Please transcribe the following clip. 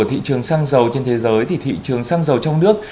thị trường xăng dầu trên thế giới thì thị trường xăng dầu trong nước